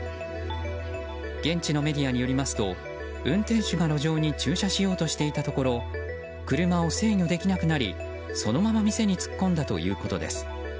現地のメディアによりますと運転手が路上に駐車しようとしていたところ車を制御できなくなり、そのまま店に突っ込んだということです。